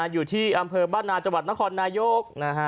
อยู่ที่อำเภอบ้านนาจังหวัดนครนายก